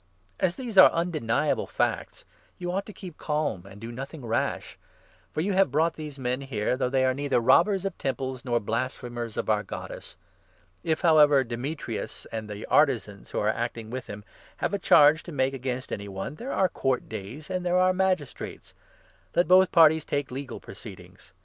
As these are undeniable facts, you ought to keep 36 calm and do nothing rash ; for you have brought these men 37 here, though they are neither robbers of Temples nor blasphe mers of our Goddess. If, however, Demetrius and the 38 artisans who are acting with him have a charge to make against any one, there are Court Days and there are Magis trates ; let both parties take legal proceedings.